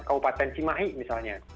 kabupaten cimahi misalnya